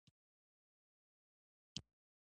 د کوکو بیې به کله پورته او کله به راټیټې شوې.